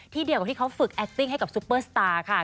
เดียวกับที่เขาฝึกแอสติ้งให้กับซุปเปอร์สตาร์ค่ะ